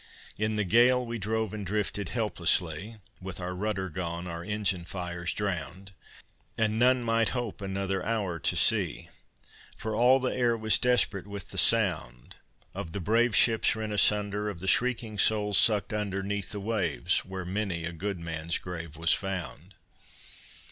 In the gale we drove and drifted helplessly, With our rudder gone, our engine fires drowned, And none might hope another hour to see; For all the air was desperate with the sound Of the brave ships rent asunder Of the shrieking souls sucked under, 'Neath the waves, where many a good man's grave was found.